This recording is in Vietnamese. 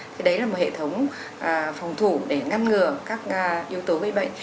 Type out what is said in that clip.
thì đấy là một hệ thống phòng thủ để ngăn ngừa các yếu tố gây bệnh